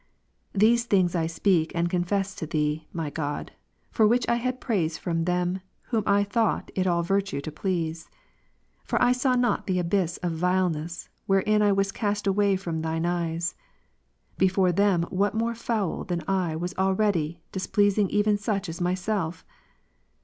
These things I speak and confess to Thee, my God; for which I had praise from them, whom I then thought it all virtue to please. For I saw not the abyss of vileness, wherein I was cast away from Thine eyes. Before them what more Ps. 31, foul than I was already, displeasing even such as myself